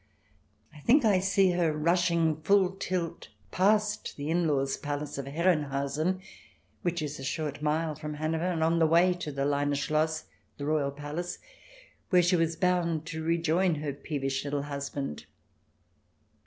I think I see her, rushing full tilt past the "in laws'" palace of Herrenhausen, which is a short mile from Hanover and on the way to the Leine Schloss, the royal palace, where she was bound to rejoin her peevish little husband.